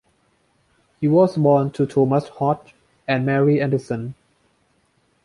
He was born to Thomas Hodge and Mary Anderson.